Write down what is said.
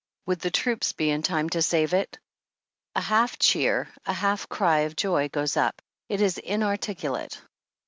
Would the troops be in time to save it? A half cheer, a half cry of joy goes up. It is inar ticulate.